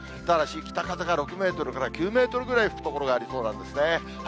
ただし、北風が６メートルから９メートルぐらい吹く所がありそうなんですね。